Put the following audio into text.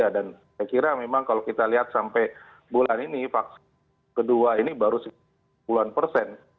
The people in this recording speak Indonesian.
dan saya kira memang kalau kita lihat sampai bulan ini vaksin kedua ini baru sekulahan persen